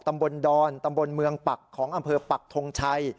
ตำบลดอนตำบลเมืองปักของอำเภอปักทงชัย